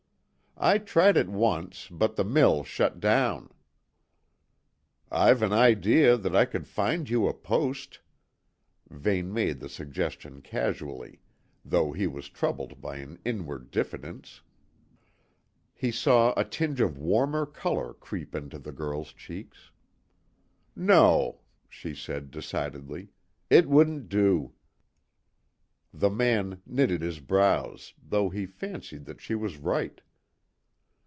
"I tried it once, but the mill shut down." "I've an idea that I could find you a post," Vane made the suggestion casually, though he was troubled by an inward diffidence. He saw a tinge of warmer colour creep into the girl's cheeks. "No," she said decidedly. "It wouldn't do." The man knitted his brows, though he fancied that she was right.